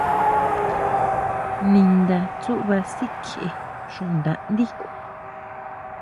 Ninda tsúʼba sikjie xuʼnda ndí.